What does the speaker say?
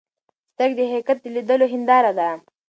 سترګې د حقیقت د لیدلو هنداره ده.